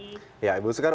iya ibu sekar